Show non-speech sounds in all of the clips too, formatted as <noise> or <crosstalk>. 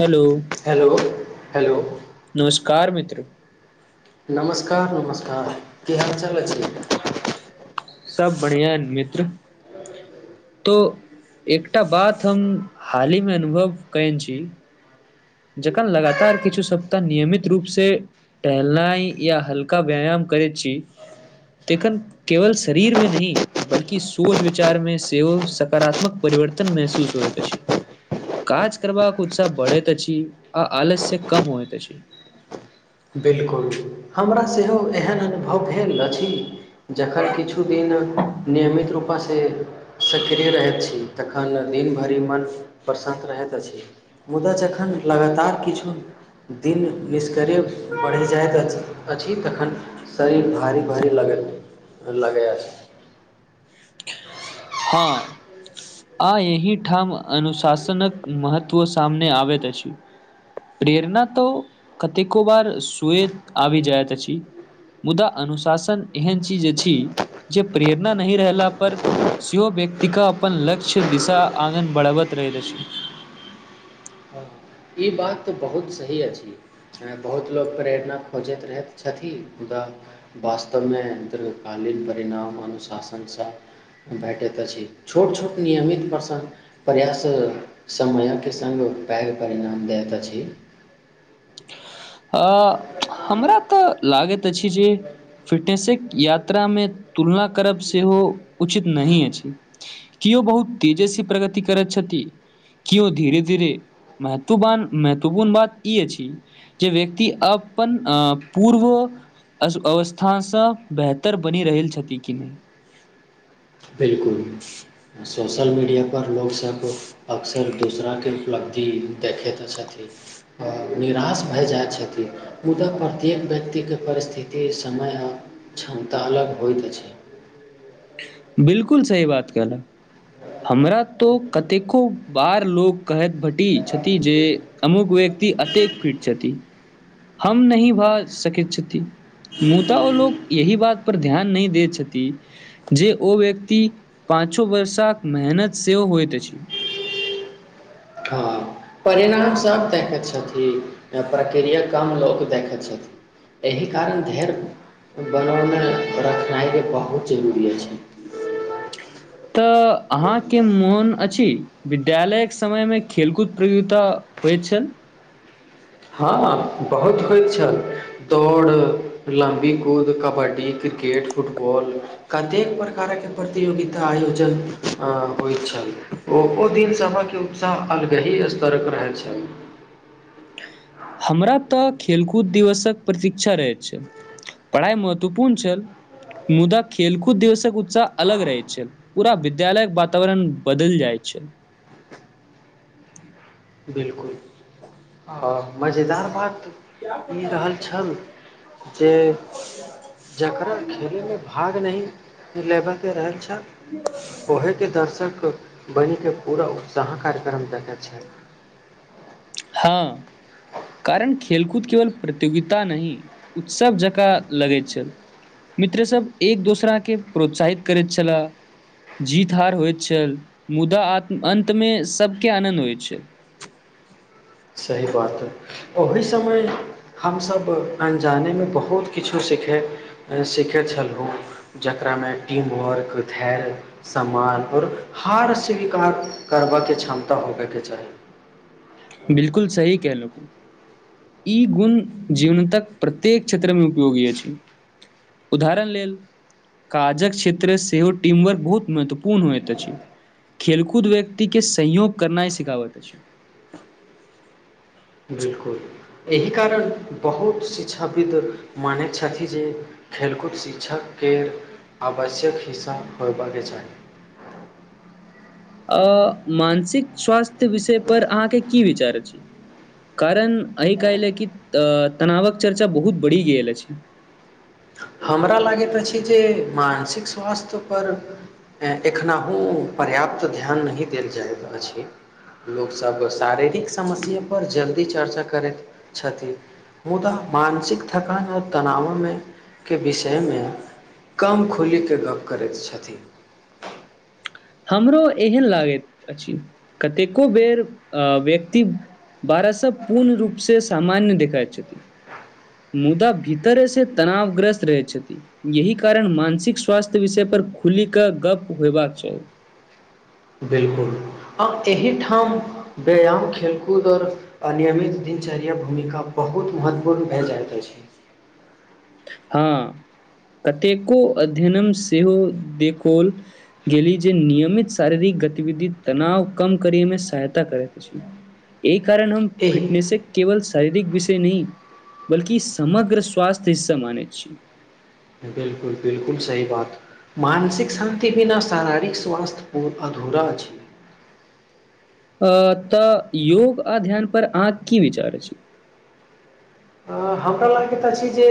Hello. Hello hello. नमस्कार मित्र। नमस्कार नमस्कार की हाल-चाल अछि। सब बढ़िया मित्र। तो एकटा बात हम हाली मे अनुभव कएन छी। जखन लगातार किछु सप्ताह नियमित रूप से टहलनाय या हल्का व्यायाम करै छी, तखन केवल शरीर मे नहि बल्कि सोच विचार मे सेहो सकारात्मक परिवर्तन महसूस होयत अछि, काज करबाक उत्साह बढ़ै त अछि अ आलस कम होएत अछि। बिलकुल हमरा सेहो एहन अनुभव भेल अछि। जखन किछु दिन नियमित रू प से सक्रिय रहैत छी तखन दिन भरि मन प्रसन्नत रहैत अछि, मुदा जखन लगातार किछु दिन निष्क्रयव बढ़ि जाएत अछि, अछि तखन शरीर भारी-भारी लगै लगै अछि। हाँ आ इहीठाम अनुशासनक महत्व सामने आबैत अछि, प्रेरणा तो कतेको बार सुएत आबै जाएत अछि, मुदा अनुशासन एहन चीज अछि जे प्रेरणा नहि रहला पर श्यो व्यक्ति के अपन लक्ष्य, दिशा आगन बढ़वत रहैत अछि। हँ, ई बात बहुत सही अछि बहुत लोक प्रेरणा खोजैत रहैत छथिन, मुदा वास्तव मे दीर्घकालीन परिणाम अनुशासन से भेटैत अछि, छोट-छोट नियमित प्रस प्रयास समयक संग पैघ परिणाम दैत अछि। आ हमरा ते लागैत अछि जे फिटनेसक यात्रा मे तुलना करब सेहो उचित नहिही अछि केओ बहुत तेजसँ प्रगति करैत छथि केओ धीरे धीरे महत्व महत्वपूर्ण बात ई अछि जे व्यक्ति अपन अ पूर्व अवस्थाँ बेहतर बनि रहल छथि कि नहि। बिलकुल सोशल मीडियापर लोकसभ अक्सर दोसराके उपलब्धि देखैत छथिन आओर निराश भए जाइ छथिन मुदा प्रत्येक व्यक्तिके परिस्थिति समय आ क्षमता अलग होइत अछि। बिलकुल सही बात कहलक हमरा तो कतेको बार लोक कहैत भटी छथि जे अमुक व्यक्ति अतेक फिट छथि हम नहिही भऽ सकैत छथि मु त ओ लोक यही बात पर ध्यान नहि दैत छथि जे ओ व्यक्ति पाँचो वर्षाक मेहनत से होएत अछि। हँ परिणाम सब देखै छथिन, अ प्रक्रिया कम लोक देखै छथिन, एहि कारण धैर्य बनाव मे रखनाय के बहुत जरूरी अछि। त अहाँके मोन अछि विद्यालयके समयमे खेलकूद प्रतियोगिता होइ छल। हँ बहुत होइत छल दौड़ लम्बी कूद कबड्डी क्रिकेट फुटबॉल कतेक प्रकारके प्रतियोगिता आयोजन होइ छल ओ ओ दिन सभके उत्साह अलग ही स्तरक रहै छल। हमरा तऽ खेलकूद दिवसक प्रतीक्षा रहैत छल पढ़ाइ महत्वपूर्ण छल मुदा खेलकूद दिवसक उत्साह अलग रहै छल पूरा विद्यालयक वातावरण बदल जाइ छै। बिलकुल ह। मजेदार बात ई रहल छल जे जकरा खेलैमे भाग नहि लेब करर छै <inaudible> ओहके दर्शक बनिक पूरा उत्साह कार्यक्रम दने छै। हँ कारण खेलकूद केवल प्रतियोगिता नही उत्सव जकाँ लगैत छल मित्र सब एक दोसरा के प्रोत्साहित करैत छलह जीत हार होइत छल मुदात अन्तमे सबके आनन्द होइ छल। सही बात हइ। ओहि समय हमसभ अजानेमे बहुत किछो सीखै सीखै छलहुँ जकरामे टीम वर्क धैर्य समान ओर हार स्वीकार करबयके क्षमता होबयके चाही। बिलकुल सही कैलु ई गुण जीवनतक प्रत्येक क्षेत्र मे उपयोगी अछि उदाहरण लेल काजक क्षेत्र सेहो टीम वर्क बहुत महत्वपूर्ण होइत छै खेलकूद व्यक्ति के सहयोग करनाइ सिखाबैत अछि। बिलकुल। एहि कारण बहुत शिक्षाविद् मानैत छथिन जे खेलकूद शिक्षक केर आवश्यक हिस्सा होयबाके चाही। आ मानसिक स्वास्थ्य विषय परर अहाँके की विचार अछि कारण एहि काल लेल कि तनावक चर्चा बहुत बढ़ि गेल अछि। हमरा लागैत अछि जे मानसिक स्वास्थ्य पर एखनहुँ पर्याप्त ध्यान नहि देल जाइत अछि लोकसभ शारीरिक समस्य पर जल्दी चर्चा करैत छथिन मुदा मानसिक थकान आओ तनावमे के विषयमे कम खुले गप्प करैत छथिन। हमरो एहन लागैत अछि कतेको बेर अ व्यक्ति बारश पूर्ण रूप से सामान्य देखाइत छथि मुदा भीतरेसँ तनावग्रस्त रहैत छथि यही कारण मानसिक स्वास्थ्य विषय पर खुली कऽ गप होयबाक चाही। बिलकुल आ एहिठाम व्यायाम खेलकूद ओर अनियमित दिनचर्या भूमिका बहुत महत्वपूर्ण भए जाइत रहल छै। हँ कतेको अध्ययनम सेहो देखल गेली जे नियमित शारीरिक गतिविधि तनाव कम करे मे सहायता करैत छी ऐ कारण हम एहि फिटनेस से केवल सब शारीरिक विषय नहि बल्ि समग्र स्वास्थ्य सममान छी। बिलकुल बिलकुल सही बात मानसिक शान्ति बिना शारीरिक स्वास्थ्य पू अधूरा छै। अ त योग आध्यान पर अहाँ की विचार छी। हमरा लागैत तऽ अछि जे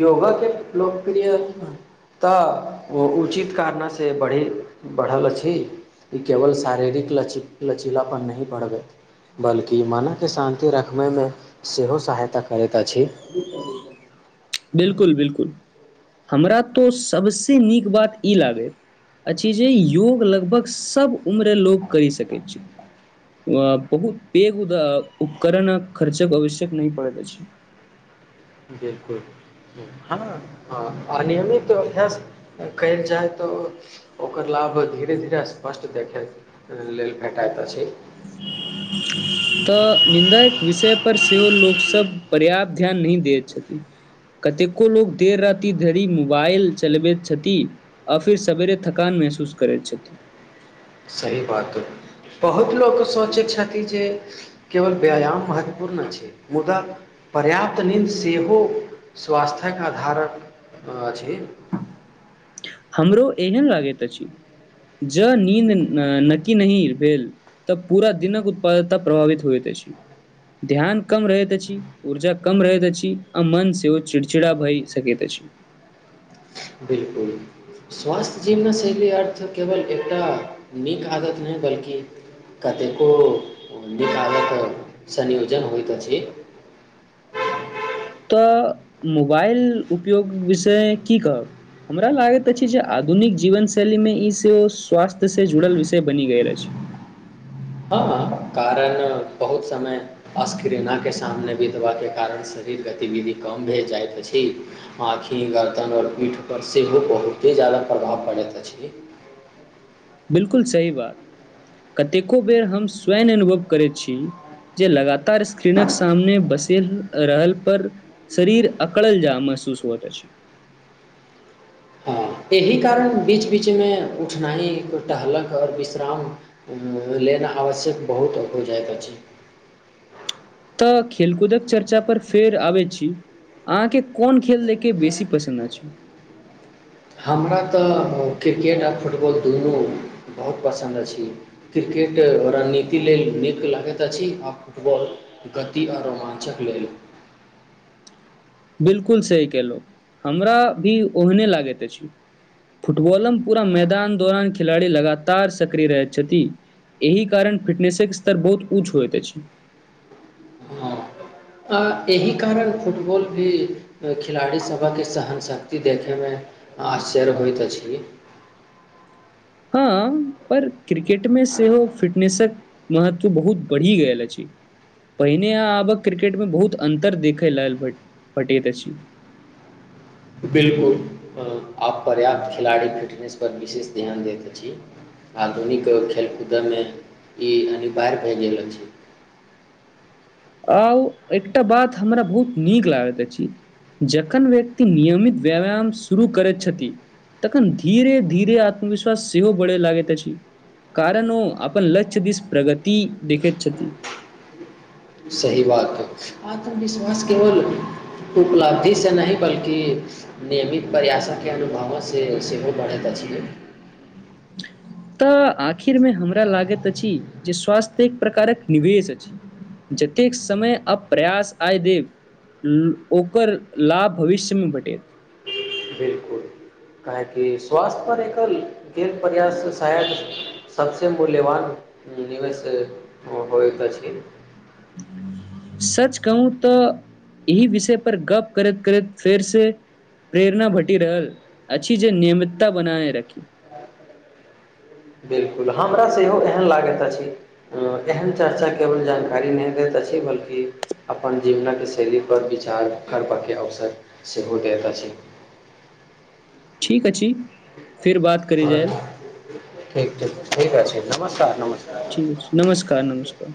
योगाके लोकप्रिय तऽ उचित कारनासँ बढ़ी बढ़ल अछि ई केवल शारीरिक लचीलाप नहि पढ़बैत बल्कि मनके शान्ति रखबैमे सेहो सहायता करैत अछि बिलकुल बिलकुल। हमरा तो सबस नीक बात ई लागैत अछि जे योग लगभग सब उम्र लोकोग करि सकैत छै बहुत पेघ उपकरणक खर्चक आवश्यक नहि पड़ैत अछि। बिलकुल हँ ह अ नियमित अभ्यास कयल जाय तऽ ओकर लाभ धीरे धीरे स्पष्ट देखै लेल भेटइत अछि। तऽ निन्दाय विषय पर सेहो लोकसभ पर्याप्त ध्यान नहि दैत छथिन कतेको लोक देर राति धरि मोबाइल चलबैत छथिन आ फिर सवेरे थकान महसूस करैत छथिन। सही बातइ बहुत लोक सोचै छथिन जे केवल व्यायाम महत्वपूर्ण छै मुदा पर्याप्त नीन्द सेहो स्वास्थ्यक आधारक अछि। हमरो एहेन लागे ज नीन्द नकी नहि भेल तऽ पूरा दिनक उत्पादता प्रभावित होइत अछि ध्यान कम रहैत अछि ऊर्जा कम रहैत अछि आ मन सेहो चिड़चिड़ा भय सकैत अछि। बिलकुल स्वास्थ्य जीवनशैली अर्थ केवल एकटा नीक आदत नहि बल्कि कतेको नीक आदतक संयोजन होइत अछि। तऽ मोबाइल उपयोग विषय की कहब हमरा लागैत अछि जे आधुनिक जीवन शैली मे ई से स्वास्थ्य से जुड़ल विषय बनि गेल अछि। हँ हँ कारण बहुत समय अस्करीना के सामने भी दबा कारण शरीर गतिविधि कम भे जाइत अछि आँखि गर्दन आओर पीठपर सेहो बहुते जाादा प्रभाव पड़ैत अछि। बिलकुल सही बात कतेको बेर हम स्वयं अनुभव करै छी जे लगातार स्क्रीनक सामने बसर रहल पर शरीर अकड़ल जा महसूस होइत अछि। हँ एहि कारण बीच बीचमे उठनाइ टहलक ओर विश्राम लेना आवश्यक बहुत हो जाइत अछि। खेलकूदक चर्चा पर फेर आबै छी अहाँके कोन खेल लेके बेसी पसन्द अछि। हमरा तऽ क्रिकेट आओ फुटबॉल दुनू बहुत पसन्द अछि क्रिकेट रणनीति लेल नीक लगैत अछि आ फुटबॉल गति आ रोमाञ्चक लेल। बिलकुल सही केलहुँ हमरा भी ओहने लागैत अछि फुटबॉलम पूरा मैदान दौरान खिलाड़ी लगातार सक्रिय रहैत छथि एहि कारण फिटनेसक स्तर बहुत ऊँच होइत अछि। हँ आ एहि कारण फुटबॉल भी खिलाड़ीसभक सहनशक्ति देखयमे आश्चर्य होइत अछि हँ पर क्रिकेटमे सेहो फिटनेसक महत्व बहुत बढ़ि गेल अछि पहिने अहाँ आबक क्रिकेटमे बहुत अन्तर देखय लेल भेटैत अछि। बिलकुल आब पर्याप्त खिलाड़ी फिटनेसपर विशेष ध्यान दैत अछि आधुनिक खेल कूदयमे ई अनिवार्य भए गेल अछि। आउ एकटा बात हमरा बहुत नीक लागैत अछि जखन व्यक्ति नियमित व्यायाम शुरू करैत छथि तखन धीरे धीरे आत्मविश्वास सेहो बढ़य लागैत अछि कारण ओ अपन लक्ष्य दिस प्रगति देखैत छथि। सही बातइ आत्मविश्वास केवल उपलब्धिसँ नहि बल्कि नियमित प्रयासे अनुभवसँ सेहो बढ़ैत अछिियै। तऽ आखिरमे हमरा लागैत अछि जे स्वास्थ्य एक प्रकारक निवेश अछि जतेक समय अप प्रयास आय देब ओकर लाभ भविष्यमे भेटत। बिलकुल काहेकि स्वास्थ्य परर एकर गेल प्रयास शायद सभसँ मूल्यवान निवेश होइत अछि। सच कहू तऽ एहि विषय पर गप करैत करैत फेर से प्रेरणा भटि रहल अछि जे नियमितता बनाने रखी। बिलकुल हमरा सेहो एहन लागैत अछि एहन चर्चाे केवल जानकारी नहि देैत बल्कि अपन जीवनक शैली पर विचार खरबके अवसर सेहो दैत अछि। ठीक अछि। फिर बात करी जाय। ठीक ठीक ठीक छै नमस्कार नमस्कार। ठीक नमस्कार नमस्कार।